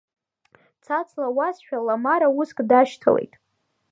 Цац луазшәа Ламара уск дашьҭалеит.